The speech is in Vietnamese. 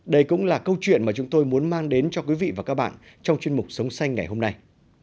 đây cũng là câu chuyện mà chúng tôi muốn mang đến cho quý vị và các bạn trong chuyên mục sống xanh ngày hôm nay